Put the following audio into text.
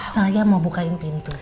saya mau bukain pintu